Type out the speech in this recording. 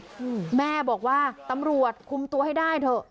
อืมแม่บอกว่าตำรวจคุมตัวให้ได้เถอะ